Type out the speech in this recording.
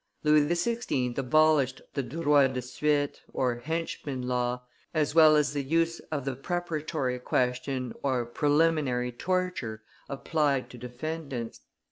Louis XVI. abolished the droit de suite (henchman law), as well as the use of the preparatory question or preliminary torture applied to defendants.